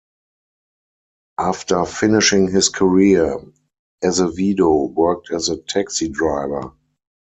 After finishing his career, Azevedo worked as a taxi driver.